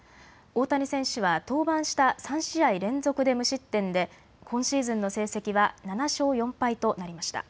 大谷選手は登板した３試合連続で無失点で今シーズンの成績は７勝４敗となりました。